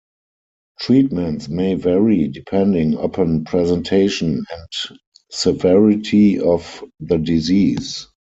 Treatments may vary depending upon presentation and severity of the disease.